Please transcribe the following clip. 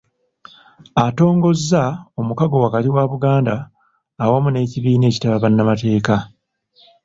Atongozza omukago wakati wa Buganda awamu n'ekibiina ekitaba bannamateeka